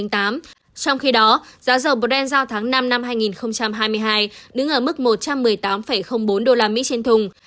trong khi đó giá dầu brent giao tháng năm năm hai nghìn hai mươi hai đứng ở mức một trăm một mươi tám bốn usd trên thùng